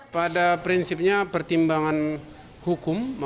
pada prinsipnya pertimbangan hukum maupun hukuman